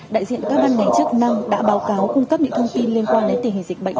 đại diện các ban ngày trước năm đã báo cáo cung cấp những thông tin liên quan đến tình hình dịch bệnh